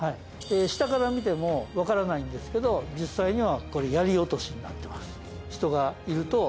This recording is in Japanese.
下から見てもわからないんですけど実際にはこれ、槍落としになってます。